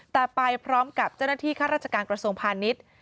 แต่ไปพร้อมกับเจ้าหน้าที่ข้าราชการกระทรวงพาณิชย์